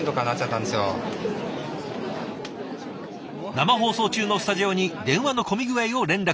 生放送中のスタジオに電話の混み具合を連絡。